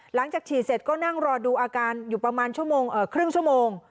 หลังจากฉีดเสร็จก็นั่งรอดูอาการอยู่ประมาณครึ่งชั่วโมง